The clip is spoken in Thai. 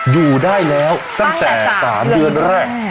อยู่ได้แล้วตั้งแต่๓เดือนแรก